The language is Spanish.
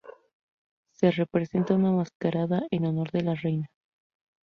Se representa una mascarada en honor de la reina.